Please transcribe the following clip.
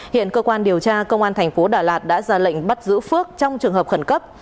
hiện cơ quan điều tra công an thành phố đà lạt đã ra lệnh bắt giữ phước trong trường hợp khẩn cấp